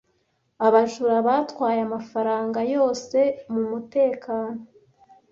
Abajura batwaye amafaranga yose mumutekano.